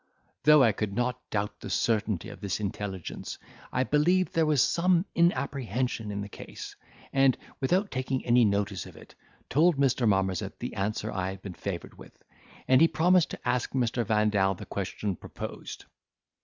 Though I could not doubt the certainty of this intelligence, I believed there was some inapprehension in the case; and, without taking any notice of it, told Mr. Marmozet the answer I had been favoured with; and he promised to ask Mr. Vandal the question proposed.